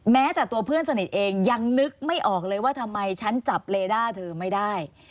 แม้แต่ตัวเพื่อนสนิทเองยังนึกไม่ออกเลยว่าทำไมฉันจับเลด้าเธอไม่ได้